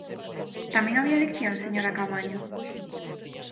¿Tamén había eleccións, señora Caamaño?